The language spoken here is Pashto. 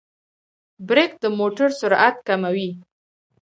برېک د موټر سرعت کموي.